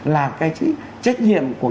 là cái trách nhiệm của ngành hành viện trực tiếp